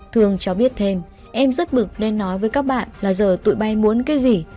thương cho biết thêm em rất bực nên nói với các bạn là giờ tụi bay muốn cái gì